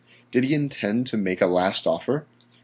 Did he intend to make a last offer?